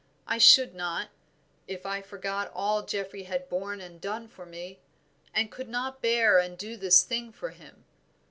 I should not, if I forgot all Geoffrey had borne and done for me, and could not bear and do this thing for him.